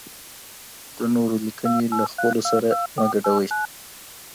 د نورو لیکني له خپلو سره مه ګډوئ.